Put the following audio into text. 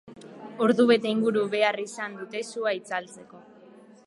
Ordubete inguru behar izan dute sua itzaltzeko.